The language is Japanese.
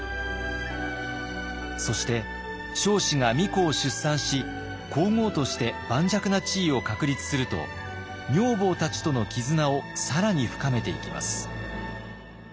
そして彰子が皇子を出産し皇后として盤石な地位を確立すると女房たちとの絆を更に深めていきます。